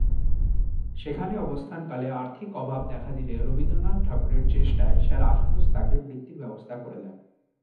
সেখানে অবস্থানকালে আর্থিক অভাব দেখা দিলে রবীন্দ্রনাথ ঠাকুরের চেষ্টায় স্যার আশুতোষ তাঁকে বৃত্তির ব্যবস্থা করে দেন।